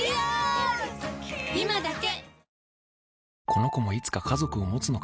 今だけ！